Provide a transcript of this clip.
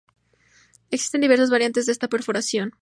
Existen diversas variantes de esta perforación.